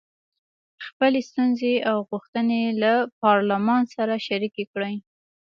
خپلې ستونزې او غوښتنې له پارلمان سره شریکې کړي.